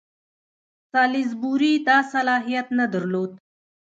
سالیزبوري دا صلاحیت نه درلود.